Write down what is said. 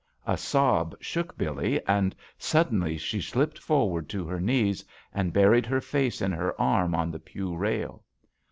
A sob shook Billee and suddenly she slipped forward to her knees and buried her face in her arms on the pew rail.